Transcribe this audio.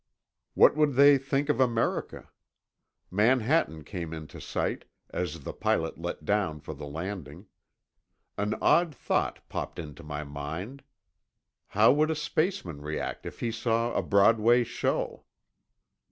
What would they think of America? Manhattan came into sight, as the pilot let down for the landing. An odd thought popped into my mind. How would a spaceman react if he saw a Broadway show?